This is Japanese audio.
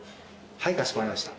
はいかしこまりました。